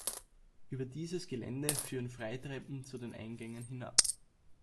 Über dieses Gelände führen Freitreppen zu den Eingängen hinab.